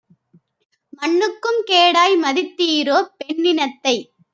மண்ணுக்கும் கேடாய் மதித்தீரோ பெண்ணினத்தை?